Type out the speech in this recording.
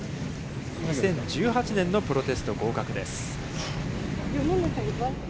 ２０１８年のプロテスト合格です。